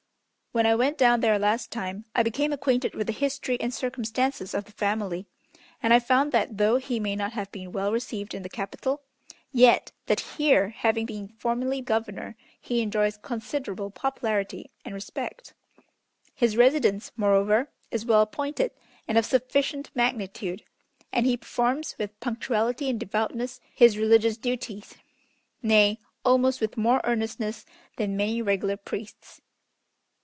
When I went down there last time, I became acquainted with the history and circumstances of the family, and I found that though he may not have been well received in the Capital, yet, that here, having been formerly governor, he enjoys considerable popularity and respect. His residence, moreover, is well appointed and of sufficient magnitude, and he performs with punctuality and devoutness his religious duties nay, almost with more earnestness than many regular priests."